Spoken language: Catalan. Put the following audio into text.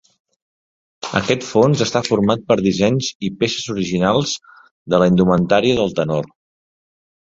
Aquest fons està format per dissenys i peces originals de la indumentària del tenor.